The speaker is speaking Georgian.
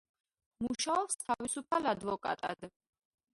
მუშაობს თავისუფალ ადვოკატად.